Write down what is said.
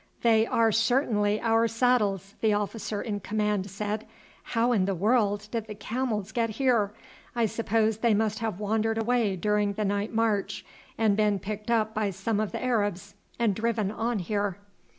"They are certainly our saddles," the officer in command said, "how in the world did the camels get here? I suppose they must have wandered away during the night march and been picked up by some of the Arabs and driven on here."